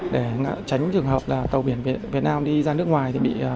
để tránh trường hợp là tàu biển việt nam đi ra nước ngoài thì bị